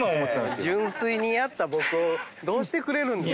純粋にやった僕をどうしてくれるんですか？